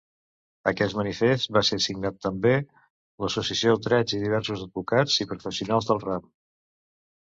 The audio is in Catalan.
Aquest manifest va ser signat també l'Associació Drets i diversos advocats i professionals del ram.